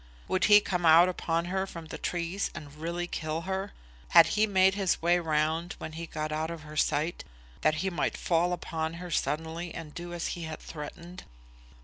Would he come out upon her from the trees and really kill her? Had he made his way round, when he got out of her sight, that he might fall upon her suddenly and do as he had threatened?